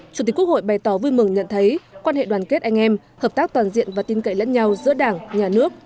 chủ tịch quốc hội bày tỏ vui mừng nhận thấy quan hệ đoàn kết anh em hợp tác toàn diện và tin cậy lẫn nhau giữa đảng nhà nước